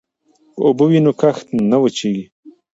که اوبه وي نو کښت نه وچيږي.